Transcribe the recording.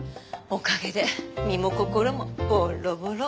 おかげで身も心もボロボロ。